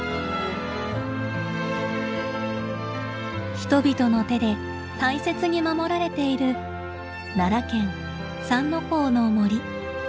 人々の手で大切に守られている奈良県三之公の森。